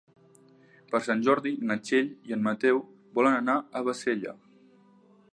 Per Sant Jordi na Txell i en Mateu volen anar a Bassella.